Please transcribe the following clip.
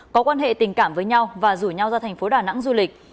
có quan hệ tình cảm với nhau và rủ nhau ra thành phố đà nẵng du lịch